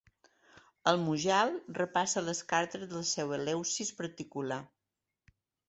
El Mujal repassa les cartes del seu Eleusis particular.